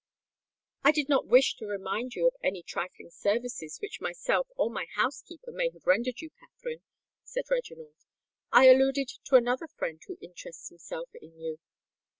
"I did not wish to remind you of any trifling services which myself or my housekeeper may have rendered you, Katherine," said Reginald. "I alluded to another friend who interests himself in you."